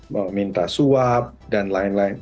meminta suap dan lain lain